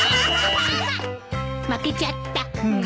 負けちゃった。